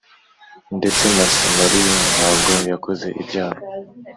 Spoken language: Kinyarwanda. Ndetse na Samariya ntabwo yakoze ibyaha